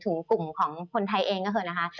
ถึงกลุ่มของคนไทยเองก็เถิดนะคะ